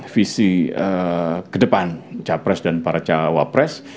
visi kedepan capres dan para cawapres